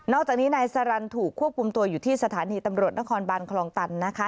จากนี้นายสรรคถูกควบคุมตัวอยู่ที่สถานีตำรวจนครบานคลองตันนะคะ